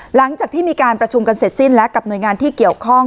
หลังจากที่มีการประชุมกันเสร็จสิ้นและกับหน่วยงานที่เกี่ยวข้อง